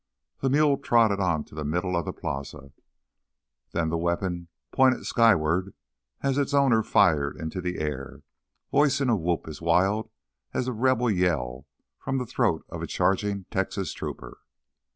The mule trotted on to the middle of the plaza. Then the weapon pointed skyward as its owner fired into the air, voicing a whoop as wild as the Rebel Yell from the throat of a charging Texas trooper.